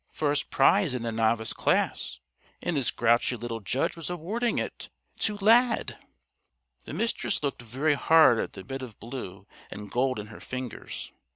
First prize in the Novice class! And this grouchy little judge was awarding it to Lad! The Mistress looked very hard at the bit of blue and gold in her fingers.